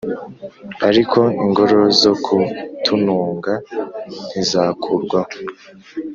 Ariko ingoro zo ku tununga ntizakurwaho